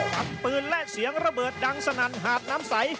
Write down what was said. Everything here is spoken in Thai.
ทั้งปืนและเสียงระเบิดดังสนั่นหาดน้ำใส